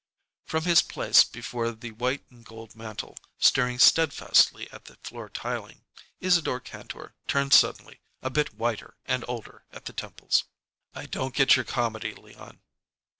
From his place before the white and gold mantel, staring steadfastly at the floor tiling, Isadore Kantor turned suddenly, a bit whiter and older at the temples. "I don't get your comedy, Leon."